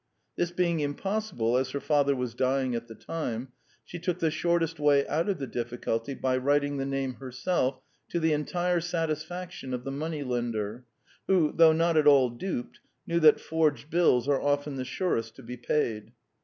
This being impossible, as her father was dying at the time, she took the shortest way out of the difficulty by writing the name her self, to the entire satisfaction of the moneylender, who, though not at all duped, knew that forged bills are often the surest to be paid.